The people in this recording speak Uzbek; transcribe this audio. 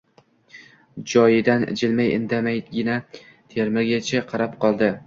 Joyidan jilmay indamaygina temirchiga qarab qoldi.